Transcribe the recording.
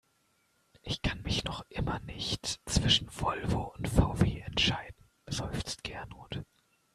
"Ich kann mich noch immer nicht zwischen Volvo und VW entscheiden", seufzt Gernot.